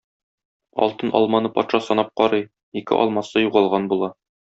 Алтын алманы патша санап карый, ике алмасы югалган була.